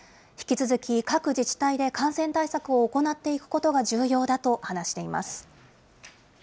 引き続き、各自治体で感染対策を行っていくことが重要だと話しています。